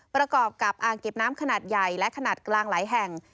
ประกอบกับอ่างเก็บน้ำขนาดใหญ่และขนาดกลางหลายแห่ง